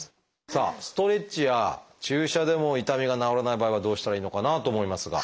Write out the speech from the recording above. さあストレッチや注射でも痛みが治らない場合はどうしたらいいのかなと思いますが。